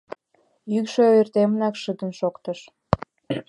Йӱкшӧ ойыртемынак шыдын шоктыш.